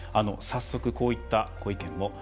早速こういったご意見も。